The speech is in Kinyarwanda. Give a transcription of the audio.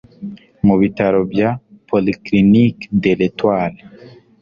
mu bitaro bya Polyclinique de l'Etoile